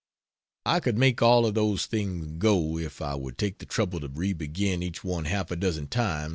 I could make all of those things go if I would take the trouble to re begin each one half a dozen times on a new plan.